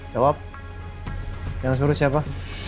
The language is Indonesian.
jawab yang suruh siapa